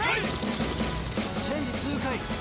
チェンジ痛快！